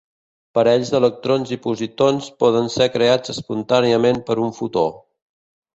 Parells d'electrons i positrons poden ser creats espontàniament per un fotó.